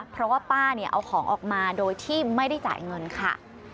เพราะว่าป้าเนี่ยเอาของออกมาโดยที่ไม่ได้จ่ายเงินค่ะ